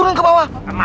ya kabur lah